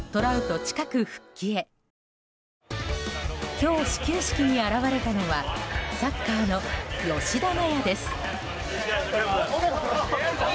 今日、始球式に現れたのはサッカーの吉田麻也です。